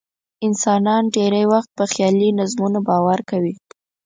انسانان ډېری وخت په خیالي نظمونو باور کوي.